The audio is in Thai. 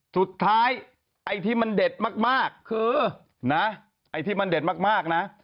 สุดท้ายไอ้ที่มันเด็ดมาก